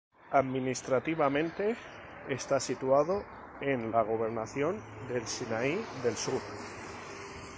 Administrativamente está situado en la gobernación de Sinaí del Sur.